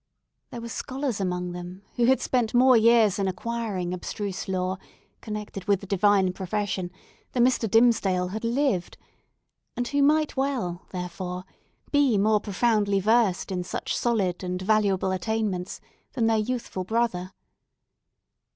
There are scholars among them, who had spent more years in acquiring abstruse lore, connected with the divine profession, than Mr. Dimmesdale had lived; and who might well, therefore, be more profoundly versed in such solid and valuable attainments than their youthful brother.